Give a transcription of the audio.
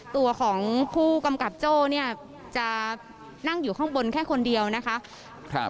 ตัวของผู้กำกับโจ้เนี่ยจะนั่งอยู่ข้างบนแค่คนเดียวนะคะ